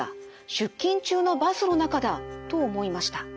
出勤中のバスの中だ」と思いました。